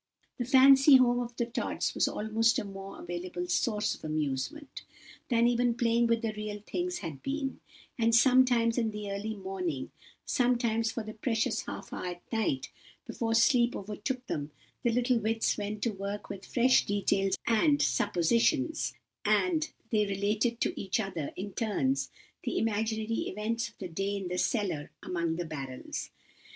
The fancy home of the Tods was almost a more available source of amusement, than even playing with the real things had been; and sometimes in the early morning, sometimes for the precious half hour at night, before sleep overtook them, the little wits went to work with fresh details and suppositions, and they related to each other, in turns, the imaginary events of the day in the cellar among the barrels.